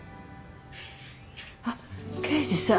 あっ刑事さん。